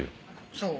そう？